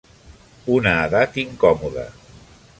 Una edat incòmoda.